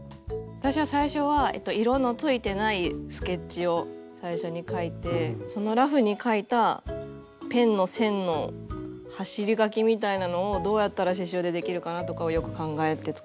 私は最初は色のついてないスケッチを最初に描いてそのラフに描いたペンの線の走り書きみたいなのをどうやったら刺しゅうでできるかなとかをよく考えて作ってます。